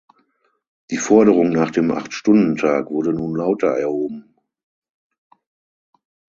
Die Forderung nach dem Achtstundentag wurde nun lauter erhoben.